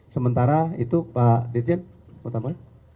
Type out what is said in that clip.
sementara itu pak dirjen pertama